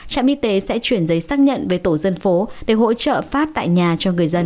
trạm y tế sẽ chuyển giấy xác nhận về tổ dân phố để hỗ trợ phát tại nhà cho người dân